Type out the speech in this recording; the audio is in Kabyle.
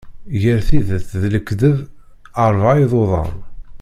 Ger tidet d lekdeb, rebɛa iḍudan.